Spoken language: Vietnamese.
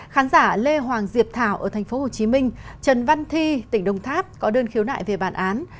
khán giả lê hoàng diệp thảo ở tp hcm trần văn thi tỉnh đồng tháp có đơn khiếu nại về bản án